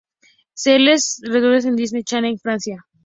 Series recurrentes en Disney Channel Francia